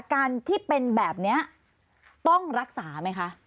การที่เป็นแบบนี้ต้องรักษาไหมคะ